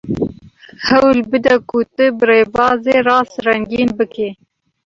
Hewil bide ku tu bi rêbazê rast rengîn bikî.